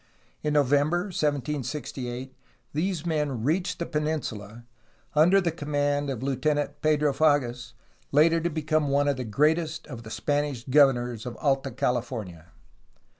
In No vember 1768 these men reached the peninsula, under the command of Lieutenant Pedro Fages, later to become one of the greatest of the Spanish governors of Alta CaHfornia.